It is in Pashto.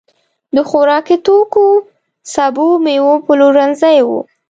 د خوراکتوکو، سبو، مېوو پلورنځي وو.